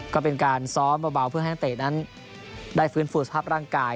ก็เป็นการซ้อมเบาเพื่อให้นักเตะนั้นได้ฟื้นฟูสภาพร่างกาย